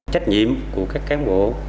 trách nhiệm của các cán bộ